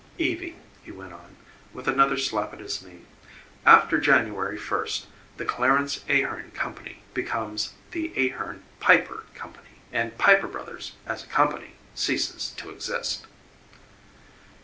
"Evie," he went on, with another slap at his knee, "after January first 'The Clarence Ahearn Company' becomes 'The Ahearn, Piper Company' and 'Piper Brothers' as a company ceases to exist."